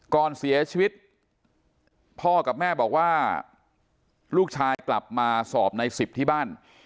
ก่อนเสียชีวิตพ่อกับแม่บอกว่าลูกชายกลับมาสอบใน๑๐ที่บ้าน